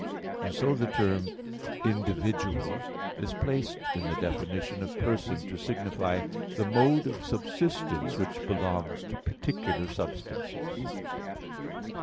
And so the term "individual" is placed in the definition of person to signify the mode of subsistence which belongs to particular substances.